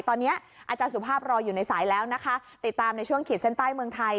ตอนนี้อาจารย์สุภาพรออยู่ในสายแล้วนะคะติดตามในช่วงขีดเส้นใต้เมืองไทย